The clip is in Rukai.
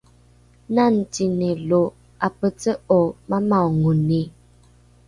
nangzini lo ’apece’o mamaongoni?